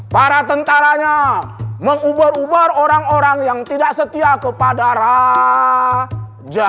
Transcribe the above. para tentaranya mengubar ubar orang orang yang tidak setia kepada raja